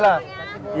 kasih dulu ya